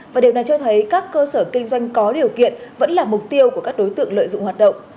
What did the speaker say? và điều này cho thấy các cơ sở kinh doanh có điều kiện vẫn là mục tiêu của các đối tượng lợi dụng hoạt động